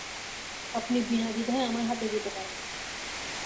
আপনি বিনা দ্বিধায় আমার হাতে দিতে পারেন।